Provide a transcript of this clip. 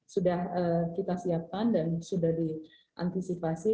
sudah kita siapkan dan sudah diantisipasi